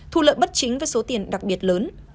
thu lợi bất chính với số tiền đặc biệt lớn